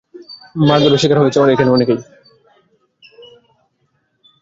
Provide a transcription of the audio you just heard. মারধরের শিকার আহত দুই শিক্ষার্থীকে রংপুর মেডিকেল কলেজ হাসপাতালে ভর্তি করা হয়েছে।